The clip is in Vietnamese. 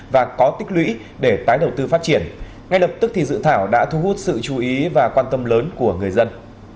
và có tích lũy để tái đầu tư phát triển ngay lập tức thì dự thảo đã thu hút sự chú ý và quan tâm lớn của người dân